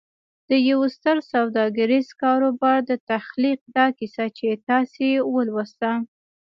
د يوه ستر سوداګريز کاروبار د تخليق دا کيسه چې تاسې ولوسته.